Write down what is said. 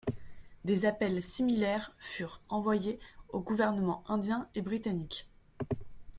Des appels similaires furent envoyés aux gouvernements indien et britannique.